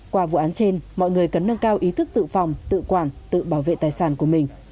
qua vụ án trên mọi người cần nâng cao ý thức tự phòng tự quản tự bảo vệ tài sản của mình